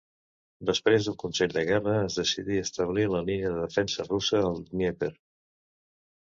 Després d'un consell de guerra, es decidí establir la línia de defensa russa al Dnièper.